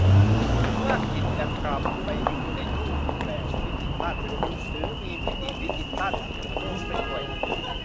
เมื่อกิจกรรมไปอยู่ในรูปแบบดิจิทัลหรือมีมิติดิจิทัลพ่วงไปด้วย